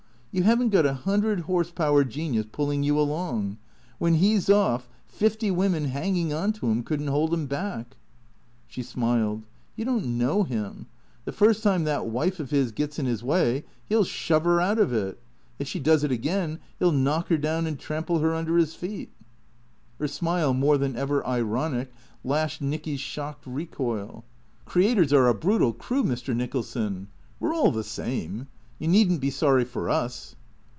You haven't got a hundred horse power genius pulling you along. When he 's off, fifty women hanging on to him could n't hold him back." She smiled. " You don't know him. The first time that wife of his gets in his way he '11 shove her out of it. If she does it again he '11 knock her down and trample her under his feet." 100 THE CKEA TOES Her smile, more than ever ironic, lashed Nicky's shocked recoil. " Creators are a brutal crew, Mr. Nicholson. We 're all the same. You need n't be sorry for us."